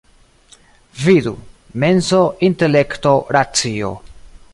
Vidu: menso, intelekto, racio.